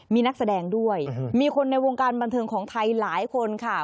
มีนักแสดงด้วยมีคนในวงการบันเทิงของไทยหลายคนค่ะ